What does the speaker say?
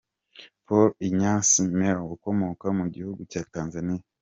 Paul Ignace Mella ukomoka mu gihugu cya Tanzania.